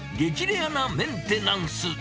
レアなメンテナンス。